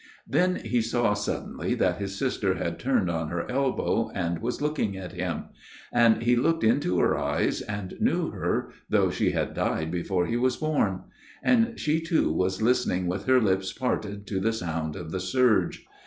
" Then he saw suddenly that his sister had turned on her elbow and was looking at him ; and he looked into her eyes, and knew her, though she had died before he was born. And she too was listening with her lips parted to the sound of the surge.